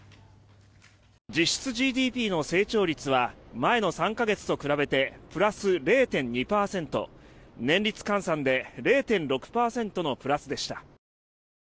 実質成長率の成長率は前の３か月と比べてプラス０．２％年率換算で０．６％のプラスでした。